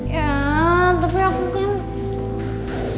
ya tapi aku kan